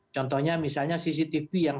contohnya misalnya cctv yang